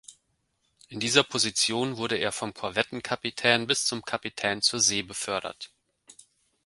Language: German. In dieser Position wurde er vom Korvettenkapitän bis zum Kapitän zur See befördert.